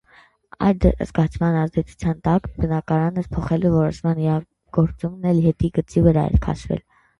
Այդ զգացման ազդեցության տակ բնակարանս փոխելու որոշմանս իրագործումն էլ հետին գծի վրա էր քաշվել: